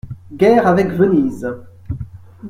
- Guerre avec Venise.